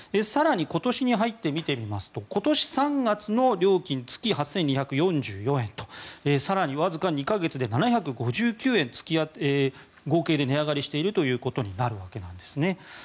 更に、今年に入って見てみますと今年３月の料金月８２４４円と更にわずか２か月で７５９円合計で値上がりしているということになるわけなんですね。